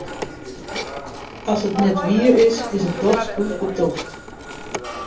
As it net wier is, is it dochs goed betocht.